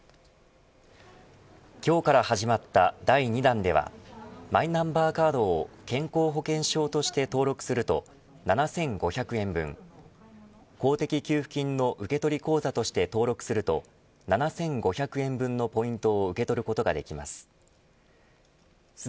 今日から始まった第２弾ではマイナンバーカードを健康保険証として登録すると７５００円分公的給付金の受取口座として登録すると７５００円分のポイントを受け取ることができます。